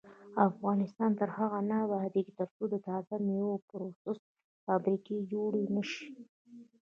افغانستان تر هغو نه ابادیږي، ترڅو د تازه میوو پروسس فابریکې جوړې نشي.